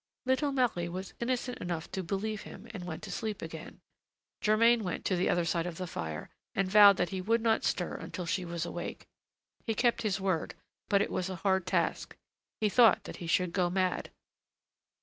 Little Marie was innocent enough to believe him and went to sleep again. Germain went to the other side of the fire, and vowed that he would not stir until she was awake. He kept his word, but it was a hard task. He thought that he should go mad.